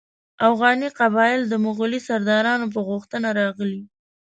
اوغاني قبایل د مغولي سردارانو په غوښتنه راغلي.